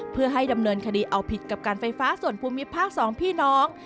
เพื่อให้ดำเนินคดีเอาผิดกับการไฟฟ้าส่วนภูมิภาคสองพี่น้อง